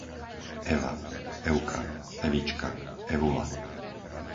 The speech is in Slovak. Eva, Evka, Evička, Evula